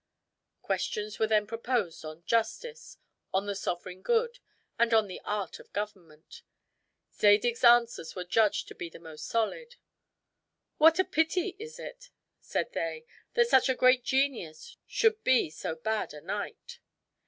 Questions were then proposed on justice, on the sovereign good, and on the art of government. Zadig's answers were judged to be the most solid. "What a pity is it," said they, "that such a great genius should be so bad a knight!"